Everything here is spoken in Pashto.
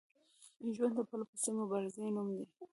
ژوند د پرلپسې مبارزې نوم دی